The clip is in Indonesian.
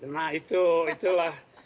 nah itu itulah